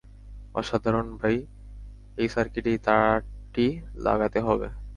অসাধারণ ভাই - এই সার্কিটে এই তারটি লাগাতে হবে।